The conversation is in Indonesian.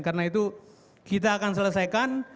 karena itu kita akan selesaikan